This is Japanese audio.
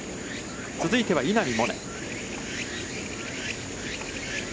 続いては稲見萌寧。